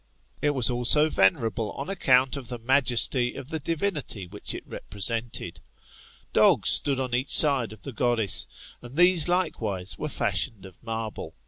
It was also venerable on account of the majesty of the divinity which it represented. Dogs stood on each side of the goddess, and these likewise were fashioned of marble.